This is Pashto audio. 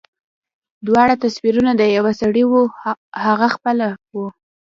دواړه تصويرونه د يوه سړي وو هغه پخپله و.